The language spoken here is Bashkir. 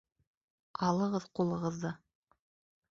Алығыҙ ҡулығыҙҙы!